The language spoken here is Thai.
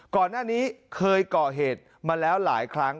ก่อนหน้านี้เคยเกาะเหตุมาแล้วหลายครั้ง